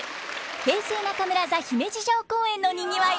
平成中村座姫路城公演のにぎわいを再び！